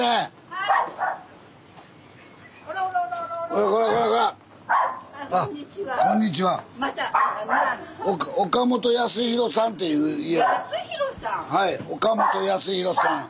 はい岡本安広さん。